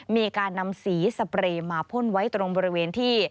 มีการนำสีสเปรย์มาพ่นไว้ตรงบริเวณที่